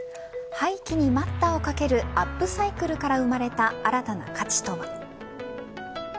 廃棄に待ったをかけるアップサイクルから生まれた新たな価値とは。